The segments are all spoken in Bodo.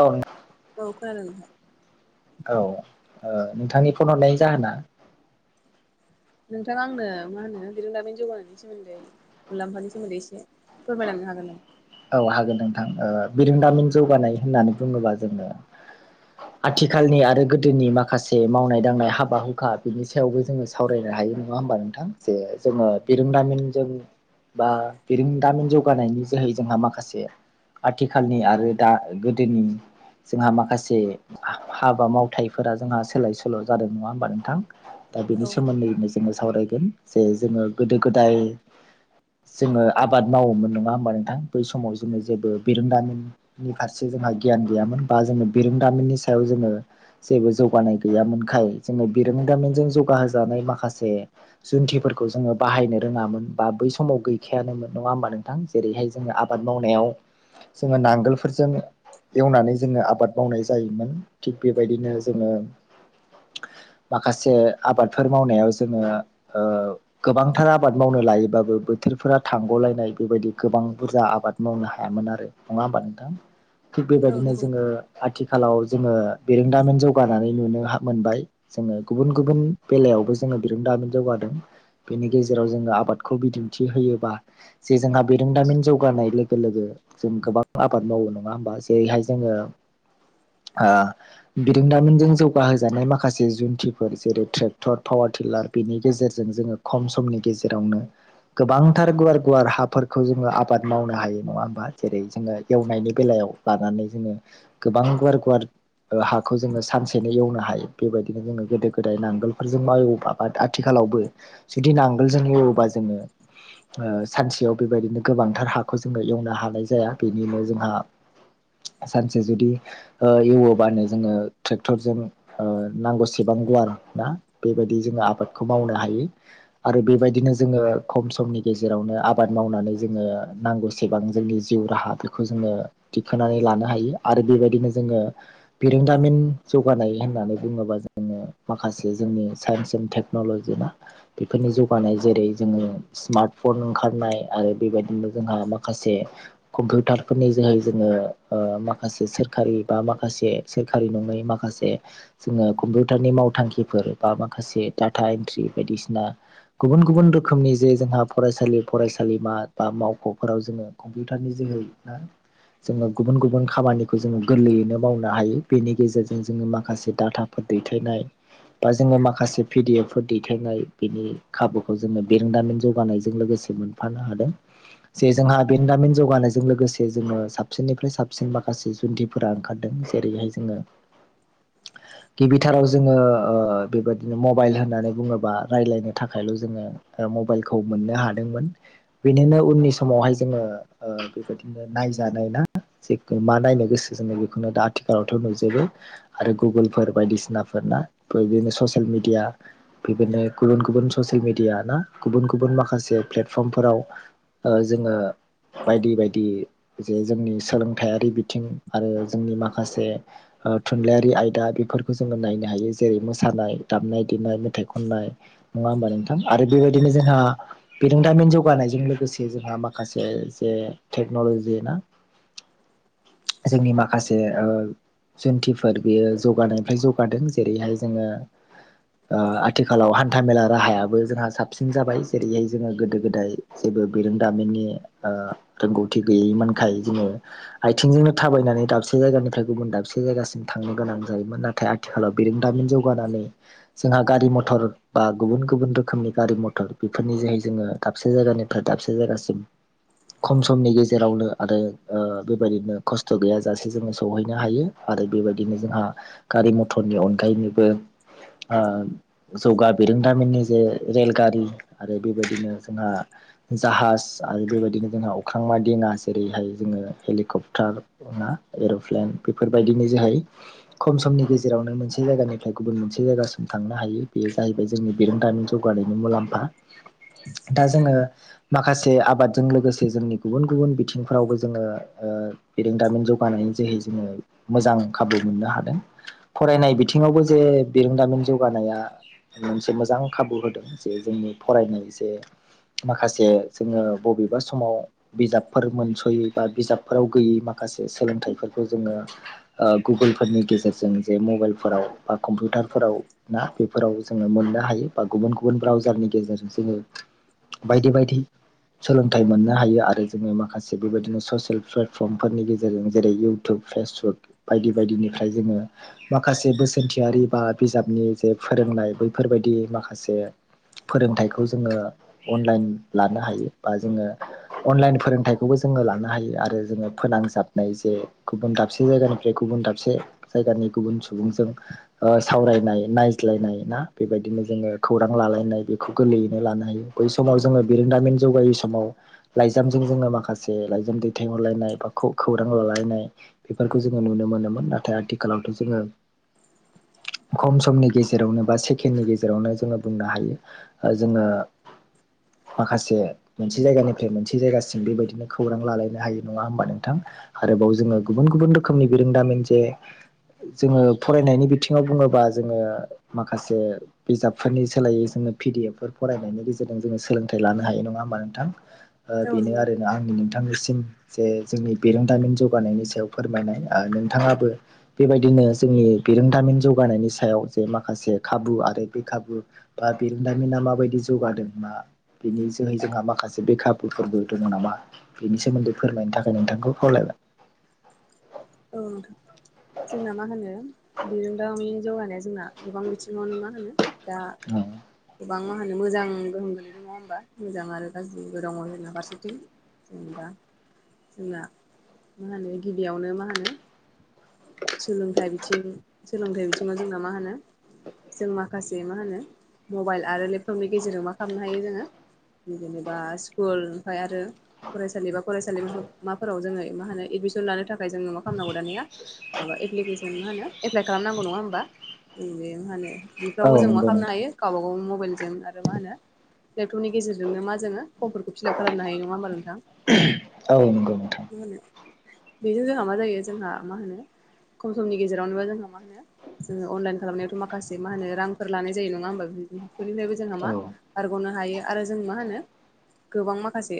ओं। औ खोनादों नोंथां। औ ओ नोंथांनि फन हरनाय जाहोना नोंथां आंनो मा होनो बिरोंदामिन जौगानायनि सोमोन्दै मुलाम्फानि सोमोन्दै एसे फोरमायलांनो हागोन नों औ हागोन नोंथां ओ बिरोंदामिन जौगानाय होननानै बुङोबा जोंनो आथिखालनि आरो गोदोनि माखासे मावनाय दांनाय हाबा हुखा बिनि सायावबो जोङो सावरायनो हायो नङा होमबा जे जोङो बिरोंदामिनजों बा बिरोंदामिन जौगानायनि जोहै जोंहा माखासे आथिखालनि आरो दा गोदोनि जोंहा माखासे हाबा मावथायफोरा जोंहा सोलाय सोल' जादों नङा होमबा नोंथां दा औ बेनि सोमोन्दैनो जोङो सावरायगोन जे जोङो गोदो गोदाय जोङो आबाद मावोमोन नङा होमबा नोंथां बै समाव जोङो जेबो बिरोंदामिन नि फारसे जोंहा गियान गैयामोन। बा जोङो बिरोंदामिननि सायाव जोङो जेबो जौगानाय गैयामोनखाय जोंङो बिरोंदामिनजों जौगाहोजानाय माखासे जुन्थिफोरखौ जोङो बाहायनो रोङामोन बा बै समाव गैखायानोमोन नङा होमबा नोंथां जेरैहाय जोङो आबाद मावनायाव जोङो नांगोलफोरजों एवनानै जोङो आबाद मावनाय जायोमोन। थिग बेबायदिनो जोङो माखासे आबादफोर मावनायाव जोङो ओ गोबांथार आबाद मावनो लायोबाबो बोथोरफोरा थांग'लायनाय बेबायदि गोबां बुरजा आबाद मावनो हायामोन आरो नङा होमबा नोंथां थिग औ बेबायदिनो नंगौ जोङो आथिखालाव जोङो बेरोंदामिन जौगा आरो नुनो मोनबाय जोङो गुबुन गुबुन बेलायावबो जोङो बिरोंदाम जौगादों। बेनि गेजेराव जोङो आबादखौ बिदिन्थि होयोबा जे जोंहा बेरोंदामिन जौगानाय लोगो लोगो जों गोबां आबाद मावो नङा होमबा जेरैहाय जोङो आ बिरोंदामिनजों जौगाहोजानाय माखासे जुन्थिफोर जेरै ट्रेक्टर पावार टिलार बेनि गेजेरजों जोङो खम समनि गेजेरावनो गोबांथार गुवार गुवार हाफोरखौ जोङो आ आबाद मावनो हायो नङा होमबा जेरै जोङो एवनायनि बेलायाव लानानै जोङो गोबां गुवार गुवार ओ हाखौ जोङो सानसेनो एवनो हायो बेबायदिनो जोङो गोदो गोदाय नांगोलफोरजों मावोबा बाद आथिखालावबो जुदि नांगोलजों एवोबा जोङो सानसेयाव बेबायदिनो गोबांथार हाखौ जोङो एवनो हानाय जाया बेनिनो जोंहा सानसे जुदि ओ एवोबानो जोङो ट्रेक्टरजों नांगौसेबां गुवार ना बेबायदि जोङो आबादखौ मावनो हायो। आरो बेबायदिनो जोङो खम समनि गेजेरावनो आबाद मावनानै। जोङो नांगौसेबां जोंनि जिउ राहा फोरखौ जोङो थिखोनानै लानो हायो आरो बेबायदिनो जोङो। बिरोंदामिन जौगानाय होननानै बुङोबा जोङो माखासे जोंनि साइन्स एन्द टेक। टेक्न'लजि ना बेफोरनि जौगानाय जेरै जोङो स्मार्टफन ओंखारनाय आरो बेबायदिनो जोंहा माखासे कम्पिउटारफोरनि जोहै जोङो ओ माखासे सोरखारि बा माखासे सोरखारि नङै माखासे जोङो कम्पिउटारनि मावथांखिफोर बा माखासे डाटा एन्ट्रि बायदिसिना। गुबुन गुबुन रोखोमनि जे जोंहा फरायसालि फरायसालिमा बा मावख'फोराव जोङो कम्पिउटारनि जोहै दा जोङो गुबुन गुबुन खामानिखौ जोङो गोरलैयैनो मावनो हायो बेनि गेजेरजों जोङो माखासे डाटा। फोर दैथायनाय बा जोङो माखासे पिडि एफ फोर दैथायनाय बिनि खाबुखौ जोङो बेरोंदामिन जौगानायजों लोगोसे फानो हादों। जे जोंहा बेनदामिन जौगानायजों लोगोसे जोङो साबसिननिफ्राय साबसिन माखासे जुन्दि फोर ओंखारदों जेरैहाय जोङो। गिबिथाराव जोङो बेबायदिनो मबाइल होननानै बुङोब्ला राय्लायनो थाखायल' जोङो। मबाइलखौ मोननो हादोंमोन बेनिनो उननि समावहाय जोङो बेबायदिनो‌। नायजानाय ना जेख मा नायनो गोसो जोङो बेखौनो दा आथिखालावथ' नुजोबो। आरो गुबुनफोर बायदिसिनाफोरना बिदिनो ससियेल मिडिया बेबायदिनो गुबुन गुबुन ससियेल मेडिया ना गुबुन गुबुन माखासे प्लेटफर्मफोराव ओ जोङो बायदि बायदि जे जोंनि सोलोंथायाइारि बिथिं आरो जोंनि माखासे थुनलाइयारि आयदा बेफोरखौ जोङो नायनो हायो जेरै मोसानाय दामनाय देनाय मेथाइ खननाय नङा होमबा नोंथां आरो बेबायदिनो जोंहा बे दामि जौ जौगानायजों लोगोसे जोंहा माखासे जे टेक्न'ल'जि ना जोंनि माखासे ओ जुन्थिफोर बियो जौगानायनिफ्राय जौगादों जेरैहाय जोङो। आथिखालाव हान्था मेला राहायाबो जोंहा साबसिन जाबाय जेरैहाय जोङो गोदो गोदाय। जेबो बिरोंदामिननि रोंगौथि गैयैमोनखाय जोङो आथिंजोंनो थाबायनानै दाबसे जायगानिफ्राय गुबुन दाबसे जायगासिम थांनो गोनां जायोमोन नाथाय आथिखालाव बिरोंदामिन जौगानानै जोंहा गारि मथर बा गुबुन गुबुन रोखोमनि गारि मथर बेफोरनि जोहै जोङो दाबसे दाबसे जायगानिफ्राय दाबसे जायगासिम खम समनि गेजेरावनो आरो बेबायदिनो खस्थ' गैयाजासे जोङो सहैनो हायो। आरो बेबायदिनो जोंहा गारि मथरनि अनगायैनोबो जौगा बिरोंदामिननि जे रेलगारि आरो बेबायदिनो जोंहा जाहाज आरो बेबायदिनो जोंहा अख्रां मा दिङा जेरैहाय जोङो हेलिकप्टार एर'प्लेन बेफोरबायदिनो जोहै खम समनि गेजेरावनो मोनसे जायगानिफ्राय गुबुन मोनसे जायगासिम थांनो हायो बेयो जाहैबाय जोंनि बेरोंदामिन जौगानायनि मुलाम्फा दा जोङो माखासे आबादजों लोगोसे जोंनि गुबुन गुबुन बिथिंफ्रावबो जोङो ओ बेरेंदामिन जौगानायनि जोहै जोङो मोजां खाबु मोननो हादों। फरायनाय बिथिङावबो जे बिरोंदामिन जौगानाया मोनसे मोजां खाबु होदों जे जोंनि फरायनाय जे माखासे जोङो बबेबा समाव बिजाबफोर मोनस'यै बा बिजाबफोराव गैयै माखासे सोलोंथाइफोरखौ जोङो गुगोलफोरनि गेजेरजों जे मबाइलफोराव बा कम्पिउटारफोराव ना बेफोराव जोङो मोननो हायो बा गुबुन गुबुन ब्रावजारनि गेजेरजों जोङो बायदि बायदि सोलोंथाइ मोननो हायो आरो जोङो माखासे बेबायदिनो ससियेल प्लेटफर्मफोरनि गेजेरजों जेरै इयतु इउटुब फेसबुक बायदि बायदिनिफ्राय जोङो माखासे बोसोनथियारि बा बिजाबनि जे फोरोंनाय बैफोरबायदि माखासे फोरोंथाइखौ जोङो अनलाइन लानो हायो बा जोङो अनलाइन फोरोंथाइखौबो जोङो लानो हायो आरो जोङो फोनांजाबनाय जे गुबुन दाबसे जायगानिफ्राय फ्राय गुबुन दाबसे जायगानि गुबुन सुबुंजों सावरायनाय नायज्लायनाय ना बेबायदिनो जोङो खौरां लालायनाय बेखौ गोरलैयैनो लानो हायो। बै समाव जोङो बिरोंदामिन जौगायै समाव लाइजामजों जोङो माखासे लाइजाम दैथायहरलायनाय बा खौरां लालायनाय बेफोरखौ जोङो नुनो मोनोमोन नाथाय आथिखालावथ' जोङो खम समनि गेजेरावनो बा सेकेणडनि गेजेरावनो जोङो बुंनो हायो जोङो माखासे मोनसे जायगानिफ्राय मोनसे जायगासिम बेबायदिनो खौरां लालायनो हायो नङा होमबा नोंथां। आरोबाव जोङो गुबुन गुबुन रोखोमनि बिरोंदामिन जे जोङो फरायनायनि बिथिङाव बुङोबा जोङो माखासे बिजाबफोरनि सोलायै जोङो पिडि एफ फोर फरायनायनि गेजेरजों जोङो सोलोंथाइ लानो हायो नङा होमा नोंथां औ बेनो नंगौ आरो आंनि नोंथांनिसिम जे जोंनि बेरोंदाइमिन जौगानायनि सायाव फोरमायनाय नोंथाङाबो बेबायदिनो जोंनि बिरोंदामिन जौगानायनि सायाव जे माखासे खाबु आरो बे खाबु बा बिरोंदामिना माबायदि जौगादों मा बिनि जोहै जोंहा माखासे बे खाबुफोरबो दङ नामा? बेनि सोमोन्दै फोरमायनो थाखाय नोंथांखौ खावलायबाय। औ नोंथां। जोंना मा होनो बिरोंदामिन जौगानाया जोंना गोबां बिथिङावनो मा होनो दा [unintelligible] गोबां मा होनो मोजां गोहोम गोलैदों नङा होनोमबा मोजां आरो गाज्रिबो दङ जोंना फारसेथिं जेनेबा जोंना मा होनो गिबियावनो मा होनो सोलोंथाइ बिथिं सोलोंथाइ बिथिङाव जोंना मा होनो जों माखासे मा होनो मबाइल आरो लेपटपनि गेजेरजों मा खालामनो हायो जोङो जेनेबा स्कुल ओमफ्राय आरो फरायसालि बा फरायसालिमाफोराव जोङो मा होनो एडमिसन लानो थाखाय जोङो मा खालामनांगौ दानिया माबा एप्लिकेसन मा होनो एप्लाइ खालामनांगौ नङा होमबा? जों बे मा होनो औ औ बेफ्रावबो जों मा नंगौ खालामनो नोंथां हायो गावबा गावनि मबाइलजों आरो मा होनो लेपटपनि गेजेरजों मा जो फर्म फोरखौफिलाप खालामनो हायो नङा होमबा नोंथां? औ नंगौ नोंथां। [unintelligible] बेजों जोंहा मा जायो जोंहा मा होनो खम समनि गेजेरावनोबो जोंहा मा होनो जोङो अनलाइन खालामनायावथ' माखासे मा होनो रांफोर लानाय जायो नङा होमबा बेफोरनिफ्रायबो जोंहा औ मा बारग'नो हायो आरो जों मा होनो गोबां माखासे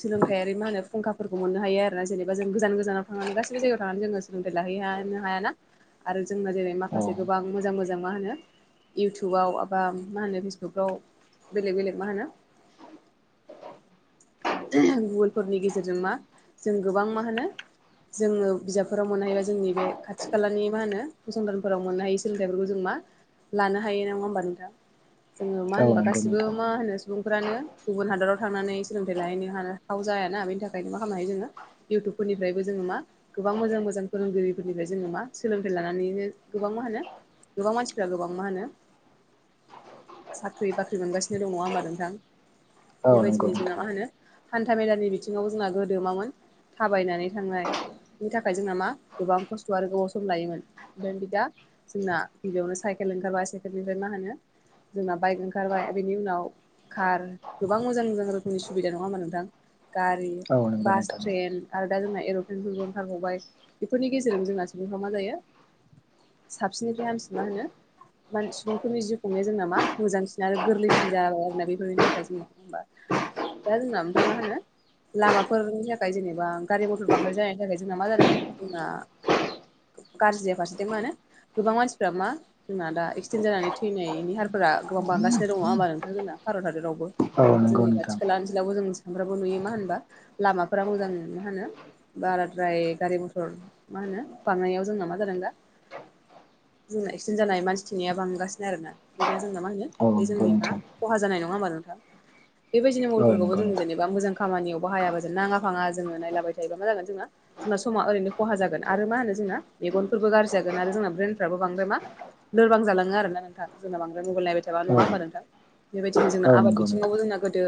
सोलोंथायारि मा होनो फुंखाफोरखौ मोननो हायो आरोना जेनेबा जों गोजान गोजानाव थांनानै गासिबो जायगायाव थांनानै जोङो सोलोंथय लाहैनो हायाना आरो जोंना जेरै माखासे गोबां मोजां मोजां मा होनो इउटुबाव एबा मा होनो फेसबुकफ्राव बेलेग बेलेग मा होनो [inaudible] गुगोलफोरनि गेजेरजों मा जों गोबां मा होनो जोङो बिजाबफोराव मोननो हायोबा जोंनि बे खाथि खालानि मा होनो फसंथानफोराव मोननो हायि सोलोंथाइफोरखौ जों मा लानो हायो नङा होमबा नोंथां। जोङो मा औ होनबा नंगौ गासिबो नोंथां मा होनो सुबुंफ्रानो गुबुन हादराव थांनानै सोलोंथाइ लाहैनो हाथाव जायाना बेनि थाखायनो मा खालामनो हायो जोङो इउटुबफोरनिफ्रायबो जोङो मा गोबां मोजां मोजां फोरोंगिरिफोरनिफ्राय जोङो मा सोलोंथाइ लानानैनो गोबां मा होनो गोबां मानसिफ्रा गोबां मा होनो साख्रि बाख्रि मोनगासिनो दङ'। नङा होमबा नोंथां? औ नंगौ बेबायदिनो जोंना नोंथां मा होनो हान्था मेलानि बिथिङाव जोंना गोदो मामोन थाबायनानै थांनाय बिनि थाखाय जोंना मा गोबां खस्थ' आरो गोबाव सम लायोमोन ओमफ्राय बि दा जोंना बेयावनो साइकेल ओंखारबाया साइकेलनिफ्राय मा होनो जोंना बाइक ओंखारबाय बेनि उनाव कार गोबां मोजां मोजां रोखोमनि सुबिदा नङा होमबा नोंथां। गारि औ नंगौ बास नोंथां। ट्रेन आरो दा जोंना एर'प्लेनफोरबो ओंखारबावबाय बेफोरनि गेजेरजों जोंना सुबुंफ्रा मा जायो साबसिननिफ्राय हामसिन मा होनो मान सुबुंफोरनि जिउ खुंनाया जोंना मा मोजांसिन आरो गोरलैसिन जाबाय आरोना बेफोरनि थाखाय जोंना। होनबा दा जोंना ओमफ्राय मा होनो लामाफोरनि जेनेबा गारि मथर बांद्राय जानायनि थाखाय जोंना मा जादों जोंना गाज्रिया फारसेथिं मा होनो गोबां मानसिफ्रा मा जोंना दा एक्सिडेन्ट जानानै थैनाय हारफोरा गोबां बांगासिनो दङ'। नङा होमबा नोंथां जोंना भारत हादरावबो। औ नंगौ जोंनि नोंथां खाथि खाला ओनसोलावबो जों सांफ्राबो नुयो मा होनबा लामाफोरा मोजां नो मा होनो बाराद्राय गारि मथर मा होनो बांनायाव जोंना मा जादों दा बुनाय एक्सिडेन्ट जानाय मानसि थैनाया बांगासिनो आरोना। बिदिया जोंना मा होनो औ नंगौ बे मा नोंथां खहा जानाय नङा होमबा नोंथाङ? बेबायदिनो औ मलफोरखौबो नंगौ जों नोंथां जेनेबा मोजां खामानियाव बाहायाबा जों नाङा दफाङा जोङो नायलाबाय थायोबा मा जागोन जोंहा जोंना समा ओरैनो खहा जागोन आरो मा होनो जोंना मेगनफोरबो गाज्रि जागोन आरो जोंना ब्रेेनफ्राबो बांद्राय मा लोरबां जालाङो आरो ना नोंथां जोंना बांद्राय मबाइल नायबाय थाबा। नङा औ होमबा नोंथां? बेबायदिनो औ जोंना आबाद नंगौ नोंथां बिथिङावबो जोंना गोदो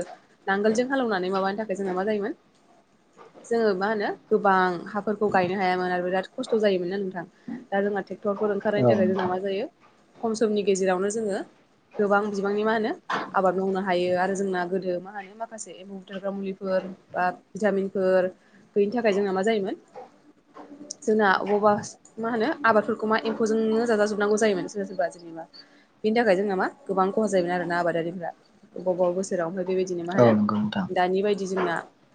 नांगोलजों हालौनानै माबानि थाखाय जोंना मा जायोमोन जोङो मा होनो गोबां हाफोरखौ गायनो हायामोन आरो बिराद खस्थ' जायोमोन ना नोंथां दा जोंहा डक्टरफोर ओंखारनायनि औ थाखाय जोंना नोंथां मा जायो खम समनि गेजेरावनो जोङो गोबां बिबांनि मा होनो आबाद मावनो हायो आरो जोंना गोदो मा होनो माखासे एम्बु बुथारग्रा मुलिफोर बा भिटामिनफोर गैयिनि थाखाय जोंना मा जायोमोन जोंना अबावबा मा होनो आबादफोरखौ मा एम्फौजोंनो जाजााजोबनांगौ जायोमोन सोर सोरबा। जेनेबा बिनि थाखाय जोंना मा गोबां खहा जायोमोन आरो ना आबादारिफ्रा। बबा बबा बोसोराव बेबायदिनो मा औ होनो नंगौ नोंथां दानि बायदि जोंना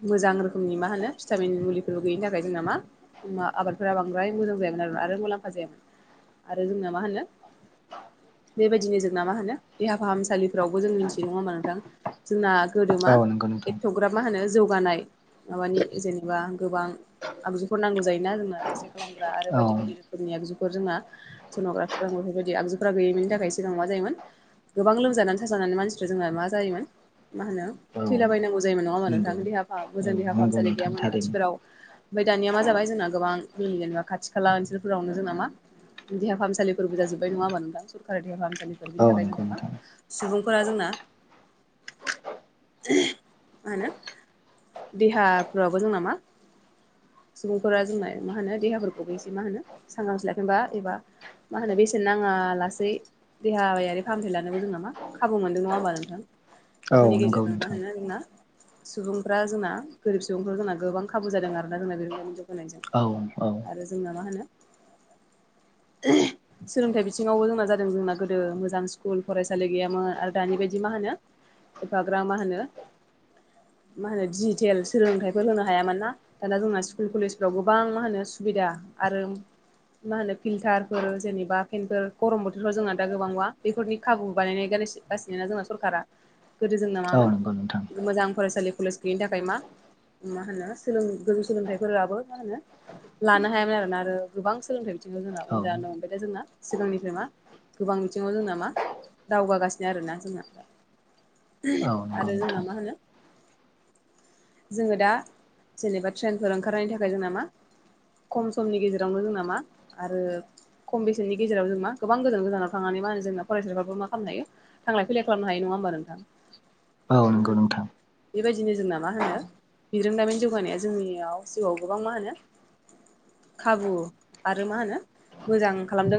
मोजां रोखोमनि मा होनो भिटामिन मुलिफोरबो गैयिनि थाखाय जोंना मा आबादफोरा बांद्राय मोजां जायामोन आरो आरो मुलाम्फा जायामोन आरो जोंना मा होनो बेबायदिनो जोंना मा होनो देहा फाहामसालिफोरावबो जों मिथि नङा होमबा नोंथां? जोंना गोदो औ मा नंगौ नोंथां एथ'ग्रा मा होनो जौ गानाय माबानि जेनेबा गोबां आगजुफोर नांगौ जायोना जोंना एक्सरे खालामग्रा आरो औ बायदि बायदि रोखोमनि आगजुफोर जोंना सन'ग्राफिफोर आं बेफोरबायदि आगजुफोरा गैयैनि थाखाय सिगां मा जायोमोन गोबां लोमजानानै थाजानानै मानसिफ्रा जोंहा मा जायोमोन मा होनो औ थैलाबायायनांगौ जायोमोन नङामा नंगौ नोंथां देहा फाहाम औ मोजां देहा नंगौ फाहामसालि नोंथां गैयामोन थारैनो खाथिफोराव। ओमफ्राय दानिया मा जाबाय जोंना गोबां जोंनि जेनेबा खाथि खाला ओनसोलफोरावनो जोंना मा देहा फाहामसालिफोरबो जाजोब्बाय नङा होमबा नोंथां सरकारि देहा फाहामसालिफोर औ बिनि थाखाय नंगौ जेनेबा नोंथां सुबुंफोरा जोंना मा होनो देहाफ्राबो जोंना मा सुबुंफोरा जोंना मा होनो देहाफोरखौबो एसे मा होनो सांग्रांथि लाखिनोबा एबा मा होनो बेसेन नाङा लासै देहायारि फाहामथाय लानोबो जोंना मा खाबु मोनदों नङा होमबा नोंथां? औ बेफोरनि नंगौ गेजेरजों मा नोंथां होनो जोंना सुबुं फोरा जोंना गोरिब सुबुंफोरा जोंना गोबां खाबु जादों आरोना दोरोङारि जौगानायजों। औ औ आरो जोंना मा होनो [inaudible] सोलोंथाइ बिथिङावबो जोंना जादों जोंना गोदो मोजां स्कुल फरायसालि गैयामोन आरो दानि बायदि मा होनो एफाग्राब मा होनो मा होनो डिजिटेल सोलोंथाइफोर होनो हायामोन ना दाना जोंना स्कुल कलेजफ्राव गोबां मा होनो सुबिदा आरो मा होनो फिल्टारफोर जेनेबा फेनफोर गरम बोथोरफ्राव जोंना दा गोबां ना बेफोरनि खाबु बानायनाय होगासिनोना जोंना सरकारा गोदो जोंना औ मामोन नंगौ नोंथां मोजां फरायसालि कलेज गैयिनि थाखाय मा मा होनो सोलों गोजौ सोलोंथाइफोराबो मा होनो लानो हायामोन आरोना आरो गोबां सोलोंथाइ बिथिङाव जोंना औ उन जानो हमबाय दा जोंना सिगांनिफ्राय मा गोबां बिथिङाव जोंना मा दावगागासिनो आरोना जोंना। औ नंगौ आरो जोंना नोंथां मा होनो जोङो दा जेनेबा ट्रेनफोर ओंखारनायनि थाखाय जोंना मा खम समनि गेजेरावनो जोंना मा आरो खम बेसेननि गेजेराव जों मा गोबां गोजान गोजानाव थांनानै मा होनो जोंना फरायसाफोराबो मा खालामनो हायो थांलाय फैलाय खालामनो हायो नङा होमबा नोंथां? औ मा नंगौ होनो नोंथां। बेबायदिनो जोंना मा होनो बिरोंदामिन जौगानाया जोंनियाव जिउआव गोबां मा होनो खाबु आरो मा होनो मोजां खालामदों